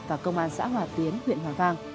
và công an xã hòa tiến huyện hòa vang